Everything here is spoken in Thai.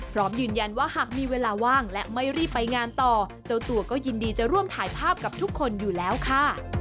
พร้อมยืนยันว่าหากมีเวลาว่างและไม่รีบไปงานต่อเจ้าตัวก็ยินดีจะร่วมถ่ายภาพกับทุกคนอยู่แล้วค่ะ